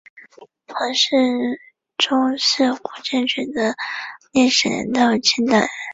黄氏宗祠古建群的历史年代为清代。